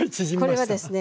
これはですね